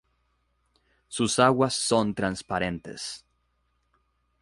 Sus aguas son transparentes.